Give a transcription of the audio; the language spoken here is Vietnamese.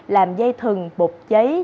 làm dây thừng bột giấy